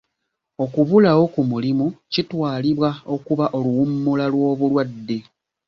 Okubulawo ku mulimu kitwalibwa okuba oluwummula lw'obulwadde.